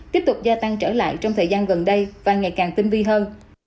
tiếp tục gia tăng trở lại trong thời gian gần đây và ngày càng tinh vi hơn